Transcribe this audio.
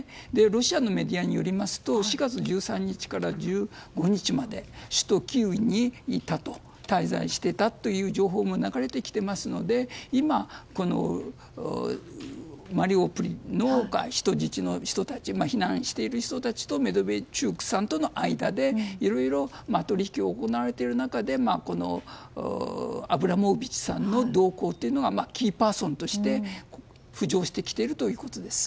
ロシアのメディアによりますと４月１３日から１５日まで首都キーウに滞在していたという情報も流れてきてますので今、マリウポリの人質の人たち避難している人たちとメドベチュク氏さんとの間でいろいろ取り引きが行われている中でこのアブラモビッチさんの動向というのがキーパーソンとして浮上してきているということです。